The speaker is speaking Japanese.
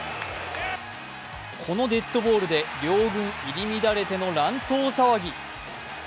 このデッドボールで両軍入り乱れての乱闘騒ぎ。